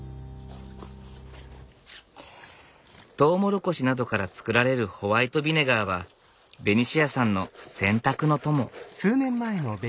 トウモロコシなどから作られるホワイトビネガーはベニシアさんの洗濯の友。